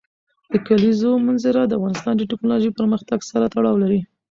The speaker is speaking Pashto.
د کلیزو منظره د افغانستان د تکنالوژۍ پرمختګ سره تړاو لري.